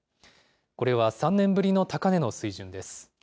これは３年ぶりの高値の水準です。